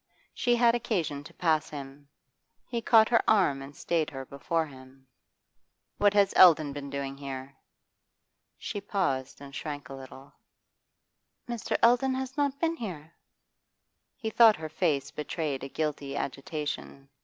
She had occasion to pass him; he caught her arm and stayed her before him. 'What has Eldon been doing here?' She paused and shrank a little. 'Mr. Eldon has not been here.' He thought her face betrayed a guilty agitation.